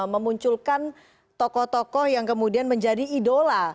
memunculkan tokoh tokoh yang kemudian menjadi idola